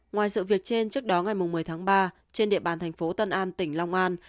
ngoài sự việc trên trước đó ngày một mươi tháng ba trên địa bàn thành phố tân an tỉnh long an